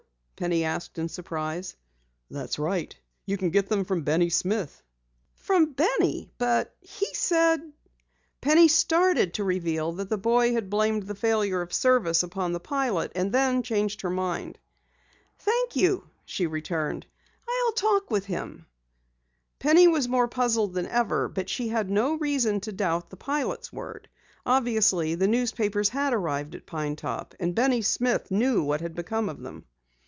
Penny asked in surprise. "That's right. You can get them from Benny Smith." "From Benny? But he said " Penny started to reveal that the boy had blamed the failure of service upon the pilot, and then changed her mind. "Thank you," she returned, "I'll talk with him." Penny was more puzzled than ever, but she had no reason to doubt the pilot's word. Obviously, the newspapers had arrived at Pine Top, and Benny Smith knew what had become of them.